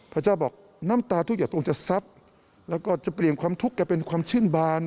พระเจ้าบอกน้ำตาทุกอย่างองค์จะซับแล้วก็จะเปลี่ยนความทุกข์แกเป็นความชื่นบาน